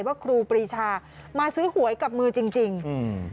ครูปรีชามาซื้อหวยกับมือจริงจริงอืม